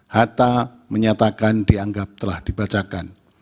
hatta menyatakan dianggap telah dibacakan